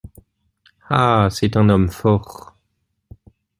Ah ! c'est un homme fort !